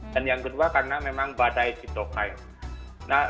dan yang kedua karena memang badai sitokin